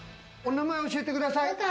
お名前を教えてください。